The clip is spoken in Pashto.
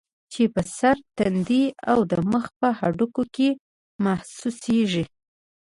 چې پۀ سر ، تندي او د مخ پۀ هډوکو کې محسوسيږي